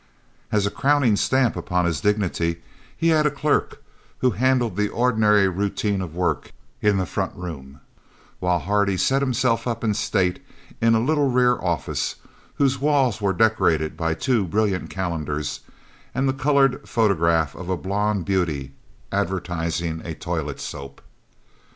As a crowning stamp upon his dignity he had a clerk who handled the ordinary routine of work in the front room, while Hardy set himself up in state in a little rear office whose walls were decorated by two brilliant calendars and the coloured photograph of a blond beauty advertising a toilet soap.